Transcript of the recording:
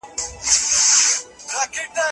بسیط دولت یو ډول وزارتونه لري.